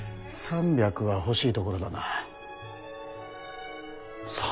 ３００は欲しいところだな。